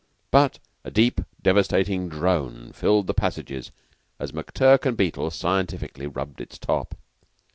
But a deep, devastating drone filled the passages as McTurk and Beetle scientifically rubbed its top.